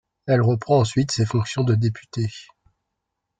Elle reprend ensuite ses fonctions de députée.